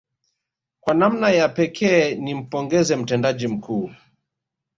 Kwa namna ya pekee ni mpongeze mtendaji mkuu